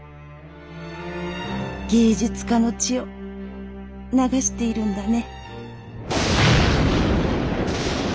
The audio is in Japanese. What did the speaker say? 芸術家の血を流しているんだね」。